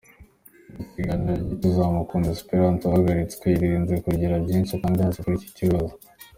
Mu kiganiro gito Uzamukunda Espérance wahagaritswe yirinze kugira byinshi atangaza kuri iki kibazo.